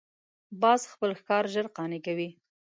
باز خپل ښکار ژر قانع کوي